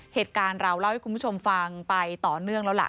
เหตุการณ์เราเล่าให้คุณผู้ชมฟังไปต่อเนื่องแล้วล่ะ